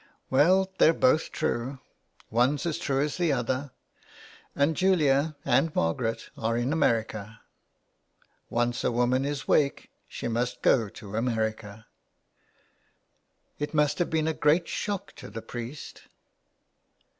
Well they're both true ; one's as true as the other, and Julia and Margaret are in America. Once a woman is wake she must go to America.. " It must have been a great shock to the priest."